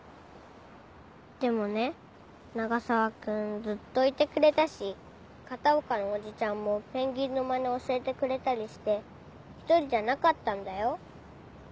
でもね永沢君ずっといてくれたし片岡のおじちゃんもペンギンのマネ教えてくれたりして一人じゃなかったんだよ。